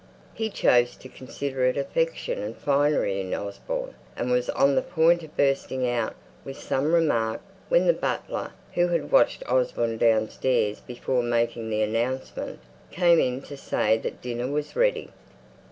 He chose to consider it affectation and finery in Osborne, and was on the point of bursting out with some remark, when the butler, who had watched Osborne downstairs before making the announcement, came in to say dinner was ready.